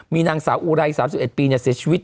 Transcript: มีนางสาวอุไร๓๑ปีเสียชีวิต